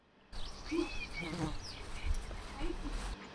W'asi ghoka kuduka kifu na kuva kusew'adie w'utesia.